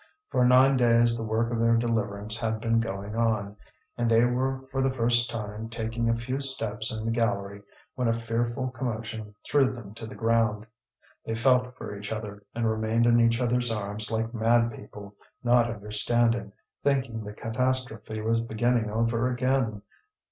For nine days the work of their deliverance had been going on, and they were for the first time taking a few steps in the gallery when a fearful commotion threw them to the ground. They felt for each other and remained in each other's arms like mad people, not understanding, thinking the catastrophe was beginning over again.